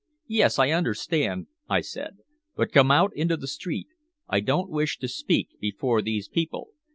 "Yes, I understand," I said. "But come out into the street. I don't wish to speak before these people.